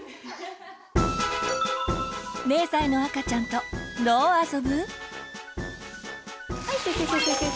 ０歳の赤ちゃんとどう遊ぶ？